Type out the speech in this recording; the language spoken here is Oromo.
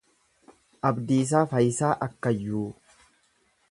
Abdiisaa Fayisaa Akkayyuu